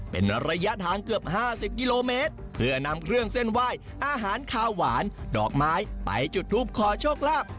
เป็นระยะทางเกือบ๕๐กิโลเมตรเพื่อนำเครื่องเส้นไหว้อาหารขาวหวานดอกไม้ไปจุดทูปขอโชคลาภ